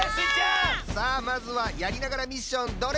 さあまずはやりながらミッションどれをえらぶ？